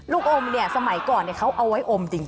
ลูกโอมสมัยก่อนเขาเอาไว้โอมจริง